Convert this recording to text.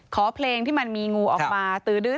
ขอเพลงที่มันมีงูออกมา